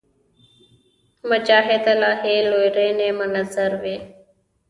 مجاهد د الهي لورینې منتظر وي.